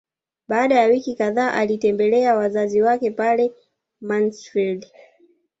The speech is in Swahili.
Baada ya wiki kadhaa alitembelea wazazi wake pale Mansfeld